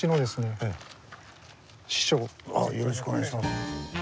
よろしくお願いします。